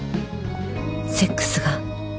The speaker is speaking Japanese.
セックスが